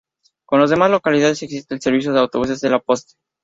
Con las demás localidades existe el servicio de autobuses de "La Poste".